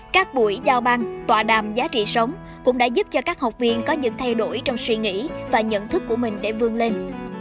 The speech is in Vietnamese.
các buổi giao băng tọa đàm giá trị sống cũng đã giúp cho các học viên có những thay đổi trong suy nghĩ và nhận thức của mình để vươn lên